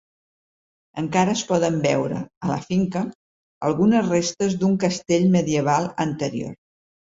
Encara es poden veure, a la finca, algunes restes d'un castell medieval anterior.